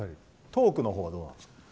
トークのほうはどうなんですか？